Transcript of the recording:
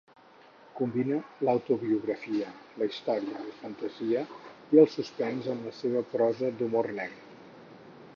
Combina l'autobiografia, la història, la fantasia i el suspens en la seva prosa d'humor negre.